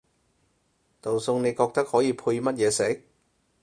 道餸你覺得可以配乜嘢食？